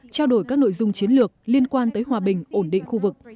trao đổi các nội dung chiến lược liên quan tới hòa bình ổn định khu vực